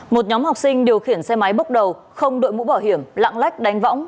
một nhóm học sinh điều khiển xe máy bốc đầu không đội mũ bảo hiểm lạng lách đánh võng